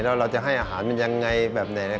แล้วเราจะให้อาหารมันยังไงแบบไหน